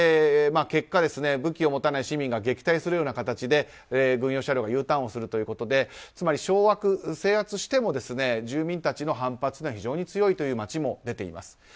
結果、武器を持たない市民が撃退するような形で軍用車両がＵターンをするということでつまり掌握、制圧しても住民たちの反発が非常に強い町も出ています。